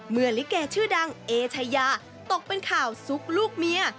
ลิเกชื่อดังเอชายาตกเป็นข่าวซุกลูกเมีย